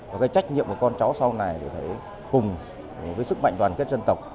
và trách nhiệm của con chó sau này để cùng với sức mạnh đoàn kết dân tộc